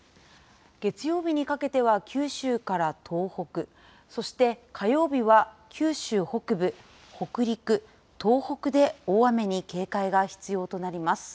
月曜日にかけては九州から東北、そして、火曜日は九州北部、北陸、東北で大雨に警戒が必要となります。